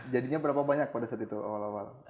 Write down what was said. jadinya berapa banyak pada saat itu awal awal